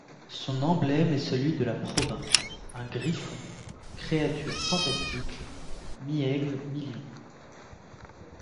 Son emblème est celui de la province, un griffon, créature fantastique mi-aigle mi-lion.